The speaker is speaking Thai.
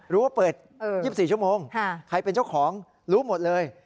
ว่าเปิด๒๔ชั่วโมงใครเป็นเจ้าของรู้หมดเลย